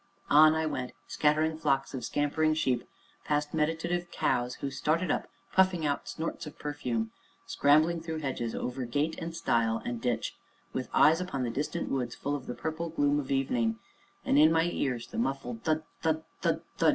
On I went, scattering flocks of scampering sheep, past meditative cows who started up, puffing out snorts of perfume; scrambling through hedges, over gate and stile and ditch, with eyes upon the distant woods full of the purple gloom of evening, and, in my ears, the muffled thud! thud! thud! thud!